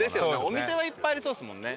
お店はいっぱいありそうですもんね。